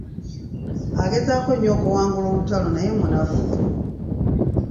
Agezaako nnyo okuwangula olutalo, naye munafu.